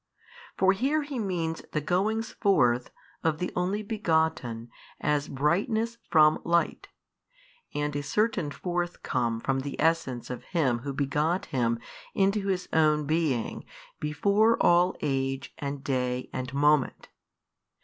For here he means the goings forth of the Only Begotten as Brightness from Light, and a certain forthcome from the Essence of Him Who Begot Him into His Own Being before all age and day and moment.